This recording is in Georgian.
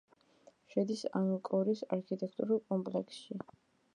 შედის ანგკორის არქიტექტურულ კომპლექსში.